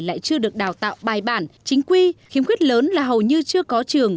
lại chưa được đào tạo bài bản chính quy khiếm khuyết lớn là hầu như chưa có trường